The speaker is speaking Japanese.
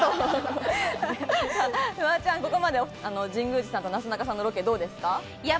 フワちゃん、ここまで神宮寺さんとなすなかさんのロケどうですか？